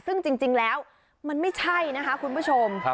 ซึ่งจริงแล้วมันไม่ใช่นะคะคุณผู้ชม